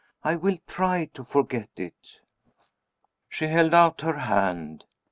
I will try to forget it." She held out her hand.